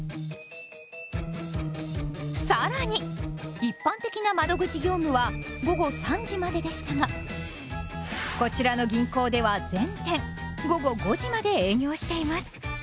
更に一般的な窓口業務は午後３時まででしたがこちらの銀行では全店午後５時まで営業しています。